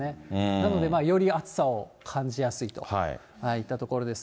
なので、より暑さを感じやすいといったところです。